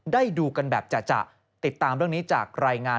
ได้ดูกันแบบจะติดตามเรื่องนี้จากรายงาน